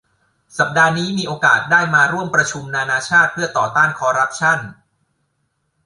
สัปดาห์นี้มีโอกาสได้มาร่วมประชุมนานาชาติเพื่อการต่อต้านคอร์รัปชั่น